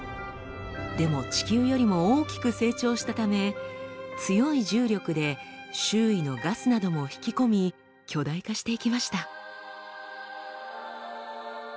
でも地球よりも大きく成長したため強い重力で周囲のガスなども引き込み巨大化していきました。